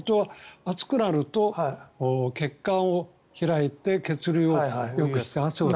暑くなると血管を開いて血流をよくします。